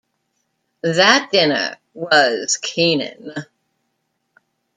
That dinner was Keenan.